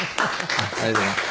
ありがとうございます。